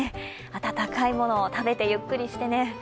温かいものを食べてゆっくりしてね。